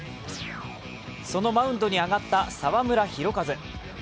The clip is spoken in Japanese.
そのマウンドに上がった澤村拓一。